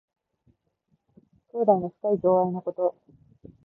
兄弟の深い情愛のこと。